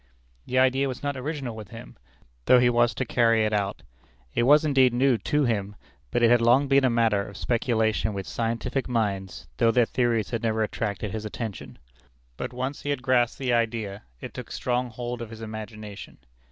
_ The idea was not original with him, though he was to carry it out. It was indeed new to him; but it had long been a matter of speculation with scientific minds, though their theories had never attracted his attention. But once he had grasped the idea, it took strong hold of his imagination.